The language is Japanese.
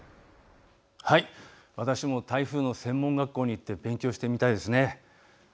私も台風の専門学校に行って勉強してみたいですね。